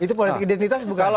itu politik identitas bukan itu